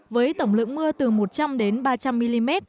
với tổng lượng mưa từ một trăm linh đến ba trăm linh mm